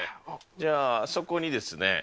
じゃあ、あそこにですね。